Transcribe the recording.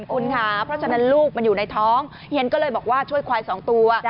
คุณค่ะเพราะฉะนั้นลูกมันอยู่ในท้องเฮียนก็เลยบอกว่าช่วยควาย๒ตัว